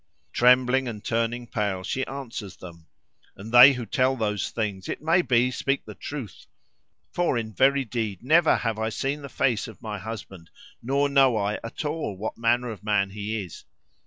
Trembling and turning pale, she answers them, "And they who tell those things, it may be, speak the truth. For in very deed never have I seen the face of my husband, nor know I at all what manner of man he is.